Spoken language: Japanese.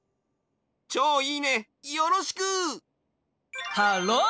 チョウいいねよろしく！ハロー！